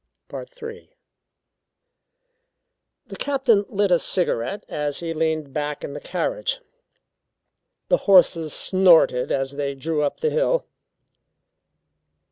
III The Captain lit a cigarette as he leaned back in the carriage. The horses snorted as they drew up the hill.